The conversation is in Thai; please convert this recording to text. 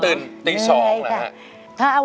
ร้องได้ให้ร้าง